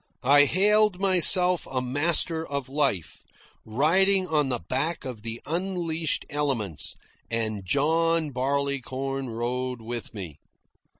I hailed myself a master of life, riding on the back of the unleashed elements, and John Barleycorn rode with me.